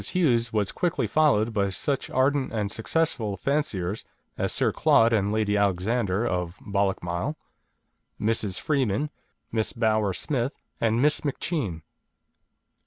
Hughes was quickly followed by such ardent and successful fanciers as Sir Claud and Lady Alexander, of Ballochmyle, Mrs. Freeman, Miss Bowyer Smyth, and Miss McCheane.